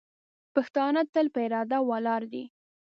پښتانه تل په اراده ولاړ دي.